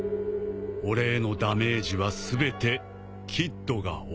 俺へのダメージは全てキッドが負う。